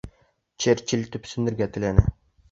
Черчилль төпсөнөргә теләне: